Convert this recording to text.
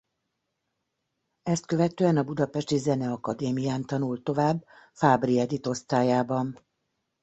Ezt követően a budapesti Zeneakadémián tanult tovább Fábry Edith osztályában.